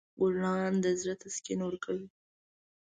ګلان د زړه تسکین ورکوي.